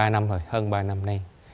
ba năm rồi hơn ba năm nay